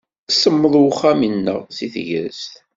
Semmeḍ uxxam-nneɣ deg tegrest.